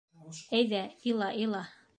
— Әйҙә, ила, ила!